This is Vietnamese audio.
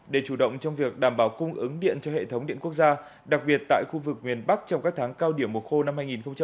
để chủ động trong việc đảm bảo cung ứng điện cho hệ thống điện quốc gia đặc biệt tại khu vực miền bắc trong các tháng cao điểm mùa khô năm hai nghìn hai mươi bốn